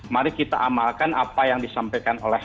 mari kita amalkan apa yang disampaikan oleh